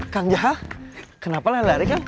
kang jahal kenapa lari larikan